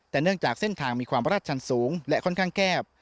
แต่เนื่องจากเส้นทางมีความราชชันสูงและค่อนข้างแคบ